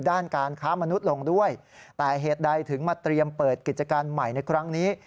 ด้านการค้ามนุษย์ลงด้วยแต่เหตุใดถึงมาเตรียมเปิดกิจการใหม่ในครั้งนี้